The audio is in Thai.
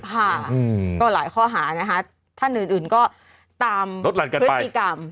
ค่ะก็หลายข้อหานะคะท่านอื่นก็ตามพฤติกรรม